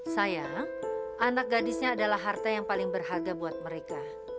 saya anak gadisnya adalah harta yang paling berharga buat mereka